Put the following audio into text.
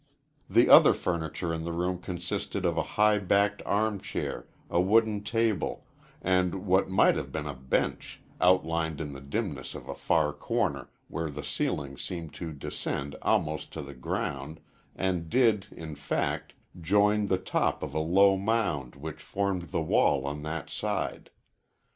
The other furniture in the room consisted of a high backed armchair, a wooden table, and what might have been a bench, outlined in the dimness of a far corner where the ceiling seemed to descend almost to the ground, and did, in fact, join the top of a low mound which formed the wall on that side.